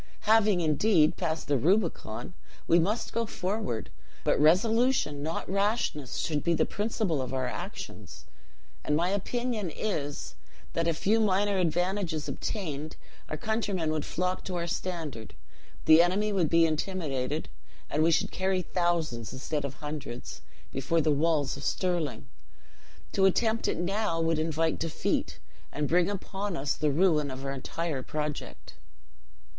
"Having, indeed, passed the Rubicon, we must go forward, but resolution, not rashness, should be the principle of our actions. And my opinion is, that a few minor advantages obtained, our countrymen would flock to our standard, the enemy would be intimidated, and we should carry thousands, instead of hundreds, before the walls of Stirling. To attempt it now would invite defeat, and bring upon us the ruin of our entire project."